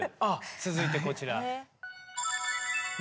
続いてこちら。